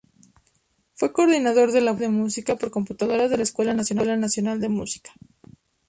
Fue coordinador del Laboratorio de Música por Computadoras de la Escuela Nacional de Música.